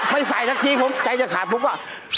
ไม่ใส่สักทีผมใจจะขาดผมว่า